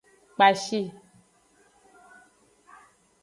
Kpashi.